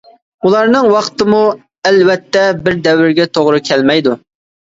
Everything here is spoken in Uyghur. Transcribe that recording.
بۇلارنىڭ ۋاقتىمۇ ئەلۋەتتە بىر دەۋرگە توغرا كەلمەيدۇ.